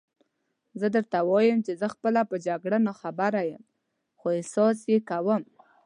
زه درته وایم چې زه خپله په جګړه ناخبره یم، خو احساس یې کوم.